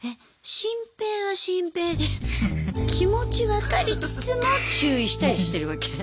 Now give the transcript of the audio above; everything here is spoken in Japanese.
シンペイはシンペイで気持ち分かりつつも注意したりしてるわけ？